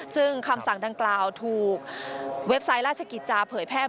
ซึ่งคำสั่งดังกล่าวถูกเว็บไซต์ราชกิจจาเผยแพร่